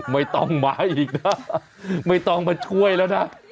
ไม่ต้องมาอีกนะไม่ต้องมาช่วยแล้วนะ